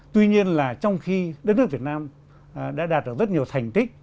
tuy nhiên là trong khi đất nước việt nam đã đạt được rất nhiều thành tích